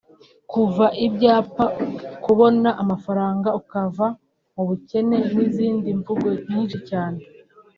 kuva ibyapa(kubona amafaranga ukava mu bukene) n’izindi mvugo nyinshi cyane